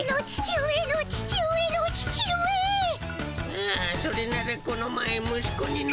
ああそれならこの前息子にの。